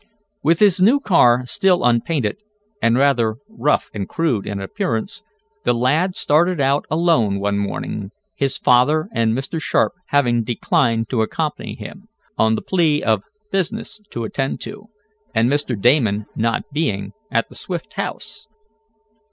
With his new car still unpainted, and rather rough and crude in appearance, the lad started out alone one morning, his father and Mr. Sharp having declined to accompany him, on the plea of business to attend to, and Mr. Damon not being at the Swift house.